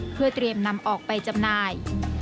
เพื่อเตรียมนำออกไปจำหน่าย